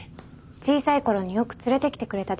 小さい頃によく連れてきてくれたでしょ。